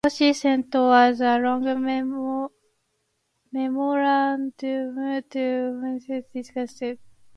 Gorsky sent a long memorandum to Moscow discussing the best way to kill Bentley.